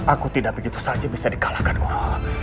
aku tidak begitu saja bisa dikalahkan guru